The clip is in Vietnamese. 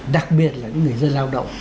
đặc biệt là những người dân lao động